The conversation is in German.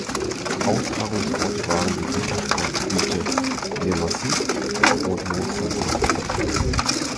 Austragungsorte waren die Wintersportgebiete Le Massif und Mont Sainte-Anne.